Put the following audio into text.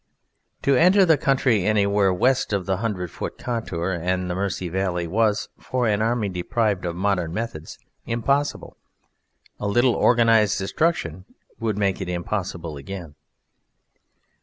To enter the county anywhere west of the hundred foot contour and the Mersey Valley was, for an army deprived of modern methods, impossible: a little organized destruction would make it impossible again.